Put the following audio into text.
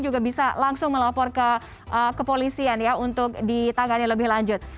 juga bisa langsung melapor ke kepolisian ya untuk ditangani lebih lanjut